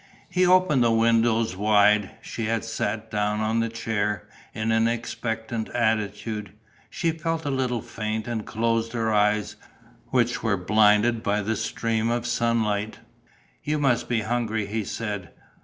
He opened the windows wide. She had sat down on a chair, in an expectant attitude. She felt a little faint and closed her eyes, which were blinded by the stream of sunlight. "You must be hungry," he said.